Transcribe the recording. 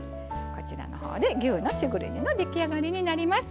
こちらのほうで牛のしぐれ煮の出来上がりになります。